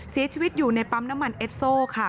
เสียชีวิตอยู่ในปั๊มน้ำมันเอสโซค่ะ